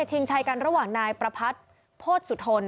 ชิงชัยกันระหว่างนายประพัทธ์โภษสุทน